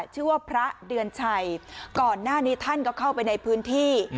ชื่อว่าพระเดือนชัยก่อนหน้านี้ท่านก็เข้าไปในพื้นที่